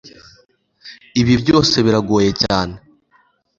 Ibi byose biragoye cyane